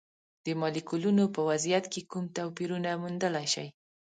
د مالیکولونو په وضعیت کې کوم توپیرونه موندلی شئ؟